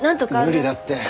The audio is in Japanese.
無理だって。